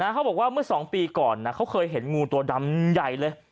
เขาบอกว่าเมื่อ๒ปีก่อนเขาเคยเห็นงูตัวดำใหญ่เลย